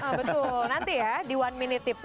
nanti ya di one minute tips